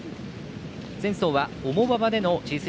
前走は重馬場でのＧ３